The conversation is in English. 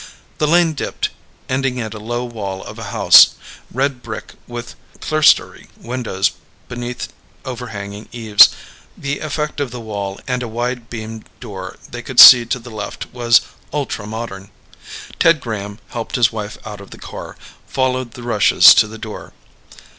The lane dipped, ended at a low wall of a house red brick with clerestory windows beneath overhanging eaves. The effect of the wall and a wide beamed door they could see to the left was ultramodern. Ted Graham helped his wife out of the car, followed the Rushes to the door.